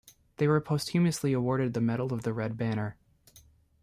They were posthumously awarded the medal of the Red Banner.